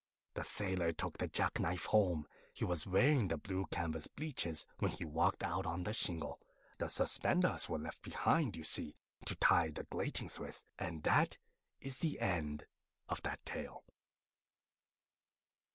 The Sailor took the jack knife home. He was wearing the blue canvas breeches when he walked out on the shingle. The suspenders were left behind, you see, to tie the grating with; and that is the end of that tale.